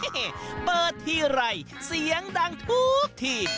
เฮ่เฮ่เบอร์ที่ไรเสียงดังทุกที